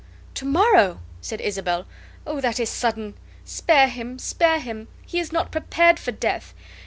"To morrow?" said Isabel. "Oh, that is sudden! Spare him, spare him. He is not prepared for death.